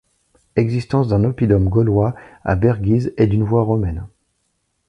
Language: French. Existence d’un oppidum gaulois à Berguise et d’une voie romaine.